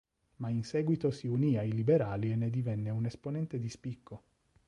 Ma in seguito si unì ai liberali e ne divenne un esponente di spicco.